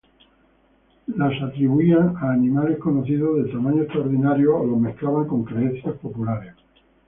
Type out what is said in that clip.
Las atribuían a animales conocidos de tamaños extraordinarios o los mezclaban con creencias populares.